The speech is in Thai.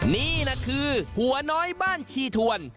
นี่นะคือหัวน้อยบ้านชีทวน